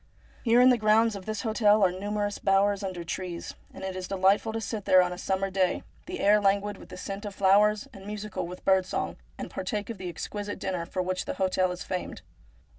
Here in the grounds of this hotel are numerous bowers under the trees, and it is delightful to sit there on a summer day, the air languid with the scent of flowers and musical with bird song, and partake of the exquisite dinner for which the hotel is famed.